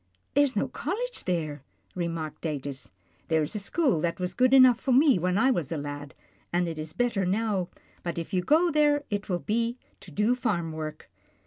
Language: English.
" There's no college there," remarked Datus. " There's a school that was good enough for me when I was a lad, and it is better now, but if you go there, it will be to do farm work."